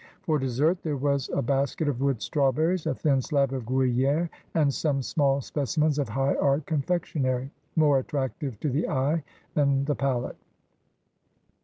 For dessert there was a basket of wood strawberries, a thin slab of Gruyere, and some small specimens of high art confectionery, more attractive to the eye than the palate.